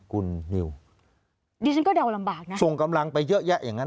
คุณนิวดิฉันก็เดาลำบากนะส่งกำลังไปเยอะแยะอย่างนั้น